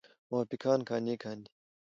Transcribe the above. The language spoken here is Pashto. موافقان قانع کاندي.